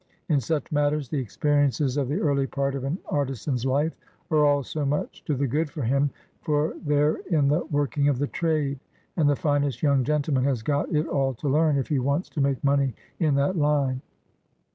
In such matters the experiences of the early part of an artisan's life are all so much to the good for him, for they're in the working of the trade, and the finest young gentleman has got it all to learn, if he wants to make money in that line.